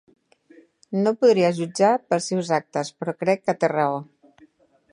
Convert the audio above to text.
No podria jutjar pels seus actes, però crec que té raó.